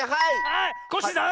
はいコッシーさん！